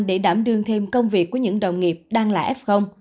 để đảm đương thêm công việc của những đồng nghiệp đang là f